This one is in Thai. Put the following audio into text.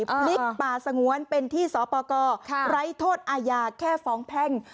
พลิกป่าสงวนเป็นที่สปกรไร้โทษอาญาแค่ฟ้องแพ่ง